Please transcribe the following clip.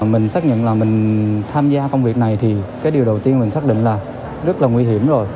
mình xác nhận là mình tham gia công việc này thì cái điều đầu tiên mình xác định là rất là nguy hiểm rồi